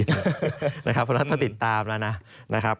เพราะว่าต้องติดตามแล้วนะ